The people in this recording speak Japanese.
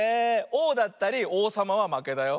オーだったりおうさまはまけだよ。